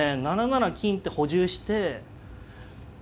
７七金って補充して。